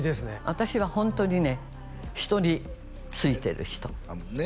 私はホントにね人についてる人ねっ？